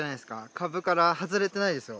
株から外れてないですよ